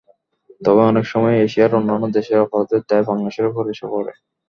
তবে অনেক সময় এশিয়ার অন্যান্য দেশের অপরাধের দায় বাংলাদেশের ওপর এসে পড়ে।